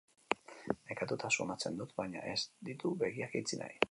Nekatuta sumatzen dut, baina ez ditu begiak itxi nahi.